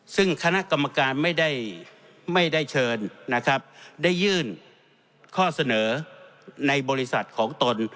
ซึ่งคณะกรรมการไม่ได้เชิญนะครับได้ยื่นข้อเสนอในบริษัทของตน